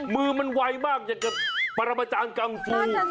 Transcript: มือมันไวมากอยากจะปรมาจารย์กังฟู